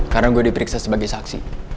karena gue diperiksa sebagai saksi